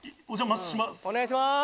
お願いします。